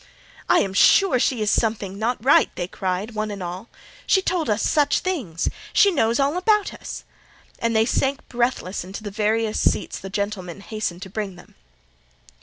"I am sure she is something not right!" they cried, one and all. "She told us such things! She knows all about us!" and they sank breathless into the various seats the gentlemen hastened to bring them.